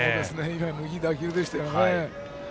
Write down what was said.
いい打球でしたよね。